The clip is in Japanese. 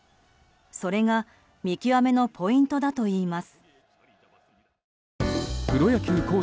それが見極めのポイントだといいます。